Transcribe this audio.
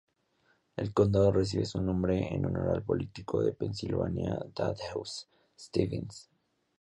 El condado recibe su nombre en honor al político de Pensilvania Thaddeus Stevens.